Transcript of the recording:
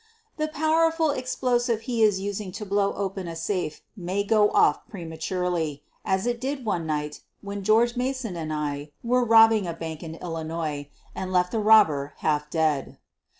The powerful explosive he is using to blow open a safe may go off prematurely, as it did one night when George Mason and I were robbing a bank in Illinois, and leave the robber half dead.